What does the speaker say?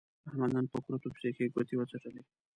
احمد نن په کورتو پسې ښې ګوتې و څټلې.